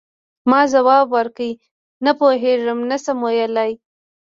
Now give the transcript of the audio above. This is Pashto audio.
ما ځواب ورکړ: نه پوهیږم، نه شم ویلای.